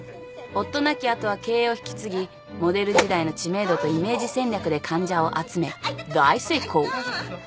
夫亡き後は経営を引き継ぎモデル時代の知名度とイメージ戦略で患者を集め大成功。